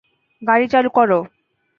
গাড়ি চালু করো!